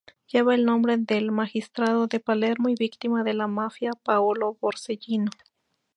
Lleva el nombre del magistrado de Palermo y víctima de la Mafia Paolo Borsellino.